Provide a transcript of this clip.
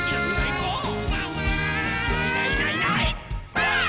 ばあっ！